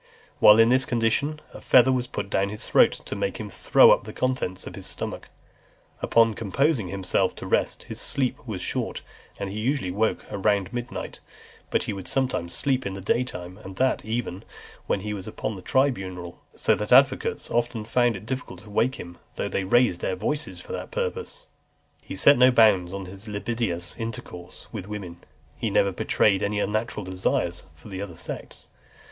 While in this condition, a feather was put down his throat, to make him throw up the contents of his stomach. Upon composing himself to rest, his sleep was short, and he usually awoke before midnight; but he would sometimes sleep in the daytime, and that, even, when he was upon the tribunal; so that the advocates often found it difficult to wake him, though they raised their voices for that purpose. He set no bounds to his libidinous intercourse with women, but never betrayed any unnatural desires for the other sex.